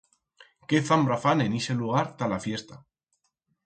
Qué zambra fan en ixe lugar ta la fiesta!